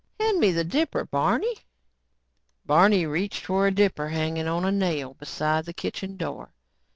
Hand me that dipper, Barney." Barney reached for a dipper hanging on a nail beside the kitchen door.